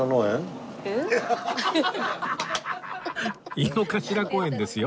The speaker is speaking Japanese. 井の頭公園ですよ